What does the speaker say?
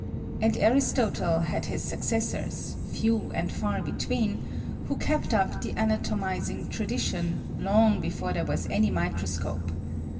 And Aristotle had his successors, few and far between, who kept up the anatomising tradition, long be fore there was any microscope.